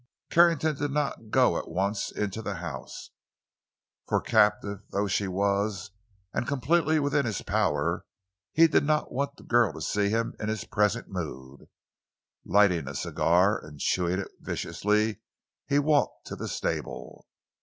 Carrington did not go at once into the house, for captive though she was, and completely within his power, he did not want the girl to see him in his present mood. Lighting a cigar, and chewing it viciously, he walked to the stable.